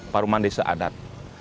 paruman desa adat